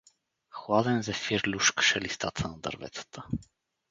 Хладен зефир люшкаше листата на дърветата.